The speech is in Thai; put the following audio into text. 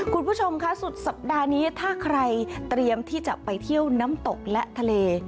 คุณผู้ชมค่ะสุดสัปดาห์นี้ถ้าใครเตรียมที่จะไปเที่ยวน้ำตกและทะเล